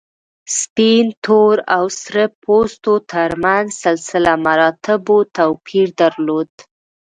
سپین، تور او سره پوستو تر منځ سلسله مراتبو توپیر درلود.